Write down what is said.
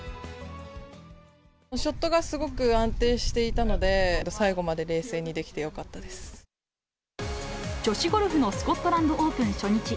ショットがすごく安定していたので、最後まで冷静にできてよ女子ゴルフのスコットランドオープン初日。